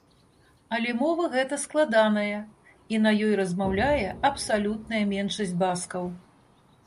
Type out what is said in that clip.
Але мова гэта складаная, і на ёй размаўляе абсалютная меншасць баскаў.